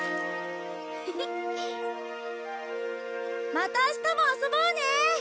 また明日も遊ぼうね！